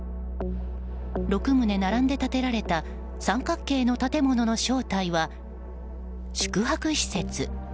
６棟並んで建てられた三角形の建物の正体は宿泊施設。